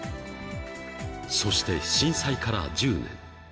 そして震災から１０年。